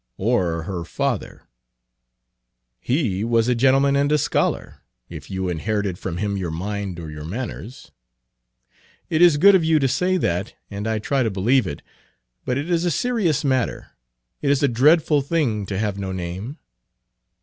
"Or her father" "He was a gentleman and a scholar, if you inherited from him your mind or your manners." "It is good of you to say that, and I try to believe it. But it is a serious matter; it is a dreadful thing to have no name."